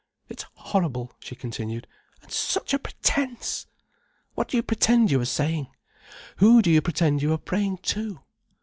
"It's horrible," she continued, "and such a pretence! What do you pretend you are saying? Who do you pretend you are praying to?"